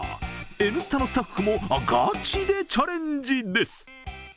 「Ｎスタ」のスタッフもガチでチャレンジです。